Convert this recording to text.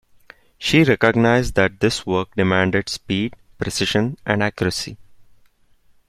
She recognized that this work demanded speed, precision and accuracy.